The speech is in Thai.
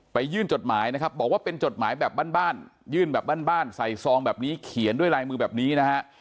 ยื่นจดหมายนะครับบอกว่าเป็นจดหมายแบบบ้านยื่นแบบบ้านใส่ซองแบบนี้เขียนด้วยลายมือแบบนี้นะฮะ